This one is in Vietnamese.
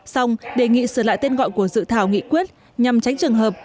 xong đề nghị sửa lại tên gọi của dự thảo nghị quyết nhằm tránh trường hợp